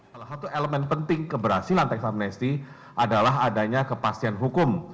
salah satu elemen penting keberhasilan teks amnesti adalah adanya kepastian hukum